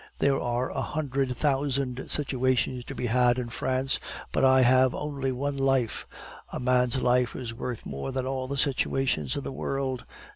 There are a hundred thousand situations to be had in France, but I have only one life. A man's life is worth more than all the situations in the world.